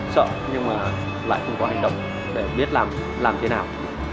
sợ nhưng mà lại không có hành động để biết làm thế nào